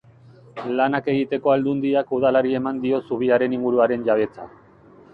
Lanak egiteko Aldundiak Udalari eman dio zubiaren inguruaren jabetza.